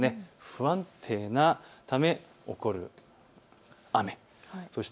不安定なため起こる雨です。